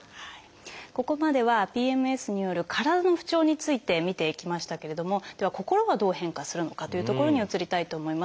ここまではＰＭＳによる体の不調について見ていきましたけれどもでは心はどう変化するのかというところに移りたいと思います。